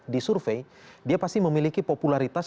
disurvey dia pasti memiliki popularitas